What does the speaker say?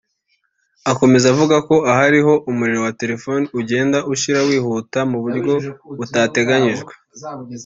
Akomeza avuga ko aha ariho umuriro wa telefone ugenda ushira wihuta mu buryo butari butegenyijwe